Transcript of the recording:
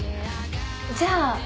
じゃあ。